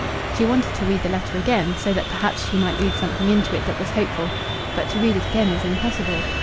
She wanted to read the letter again, so that perhaps she might read something into it that was hopeful. But to read it again was impossible.